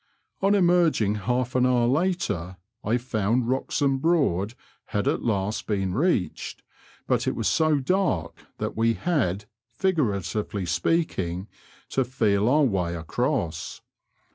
On emerging half an honr later, I found Wroxham Broad had at last been reached, but it was so dark that we had, figuratively speaking, to feel our way across.